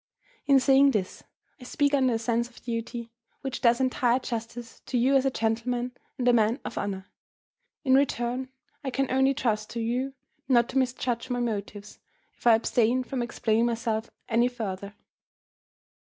In saying this, I speak under a sense of duty which does entire justice to you as a gentleman and a man of honor. In return, I can only trust to you not to misjudge my motives, if I abstain from explaining myself any further."